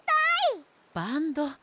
バンド！